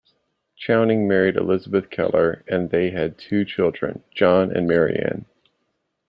Chowning married Elisabeth Keller and they had two children, John and Marianne.